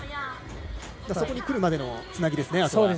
あとはそこに来るまでのつなぎですね。